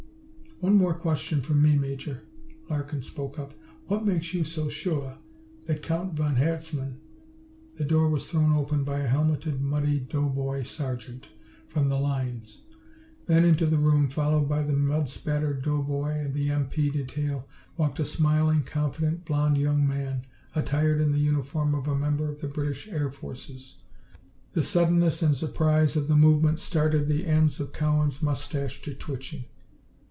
"One more question from me, Major," Larkin spoke up. "What makes you so sure that Count von Herzmann " The door was thrown open by a helmeted, muddy doughboy sergeant from the lines. Then into the room, followed by the mud spattered doughboy and the M.P. detail, walked a smiling, confident, blond young man, attired in the uniform of a member of the British Air Forces. The suddenness and surprise of the movement started the ends of Cowan's moustache to twitching.